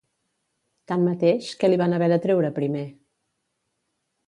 Tanmateix, què li van haver de treure primer?